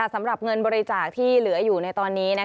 สำหรับเงินบริจาคที่เหลืออยู่ในตอนนี้